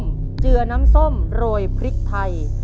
เจือน้ำส้มโรยพริกไทย